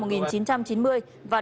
và đặng văn thắng sinh năm hai nghìn